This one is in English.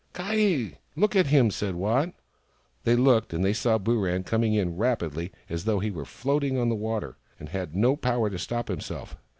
" Ky ! Look at him !" said Waat. They looked, and they saw Booran coming in rapidly, as though he were floating on the water, and had no power to stop himself.